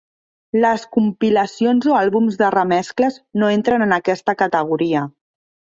Les compilacions o àlbums de remescles no entren en aquesta categoria.